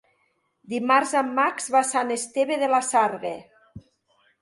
Dimarts en Max va a Sant Esteve de la Sarga.